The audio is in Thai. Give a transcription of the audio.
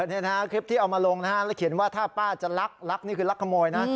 อันนี้คลิปที่เอามาลงแล้วเขียนว่าถ้าป้าจะลักลักนี่คือลักขโมยนะ